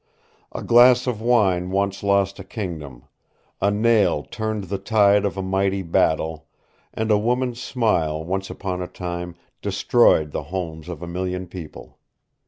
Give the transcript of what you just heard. A glass of wine once lost a kingdom, a nail turned the tide of a mighty battle, and a woman's smile once upon a time destroyed the homes of a million people.